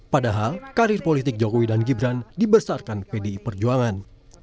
padahal karir politik jokowi dan gibran dibesarkan pdi perjuangan